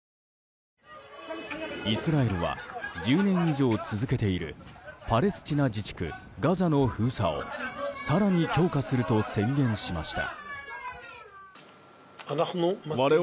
イスラエルは１０年以上続けているパレスチナ自治区ガザの封鎖を更に強化すると宣言しました。